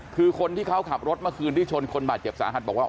คือคนที่เขาขับรถเมื่อคืนที่ชนคนบาดเจ็บสาหัสบอกว่า